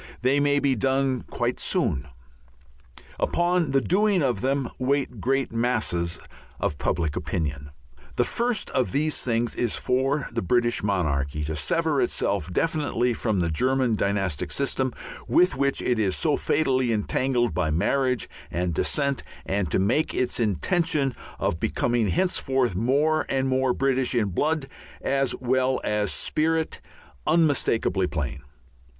They may be done quite soon. Upon the doing of them wait great masses of public opinion. The first of these things is for the British monarchy to sever itself definitely from the German dynastic system, with which it is so fatally entangled by marriage and descent, and to make its intention of becoming henceforth more and more British in blood as well as spirit, unmistakably plain.